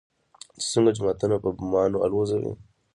چې څنگه جوماتونه په بمانو الوزوي.